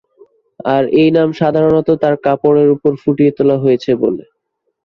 আর এই নাম সাধারণত তার কাপড়ের উপর ফুটিয়ে তুলা হয়েছে বলে।